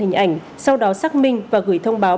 hình ảnh sau đó xác minh và gửi thông báo